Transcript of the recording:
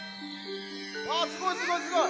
あっすごいすごいすごい！